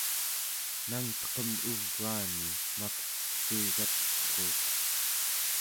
nangteqem ugaani maktesciigatellruuq